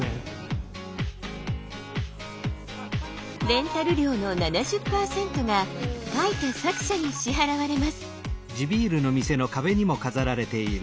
レンタル料の７０％が描いた作者に支払われます。